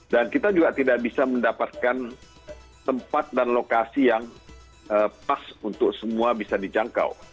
dan kita juga tidak bisa mendapatkan tempat dan lokasi yang pas untuk semua bisa dijangkau